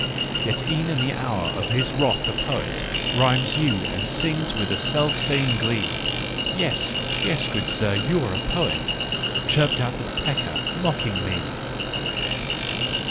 Yet e'en in the hour of his wrath the poet Rhymes you and sings with the selfsame glee. " Yes, yes, good sir, you are a poet," Chirped out the pecker, mocking me.